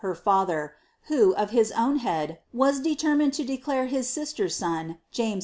her lather, who, of his own head, was determined lo declare his sister's son, James V.